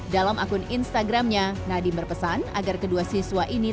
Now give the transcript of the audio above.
dalam akun instagramnya nadiem berpesan agar kedua siswa ini